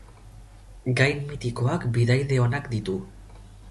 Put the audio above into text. Gain mitikoak bidaide onak ditu.